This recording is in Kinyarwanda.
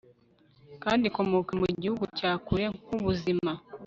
kandi ikomoka mu gihugu cya kure nkubuzima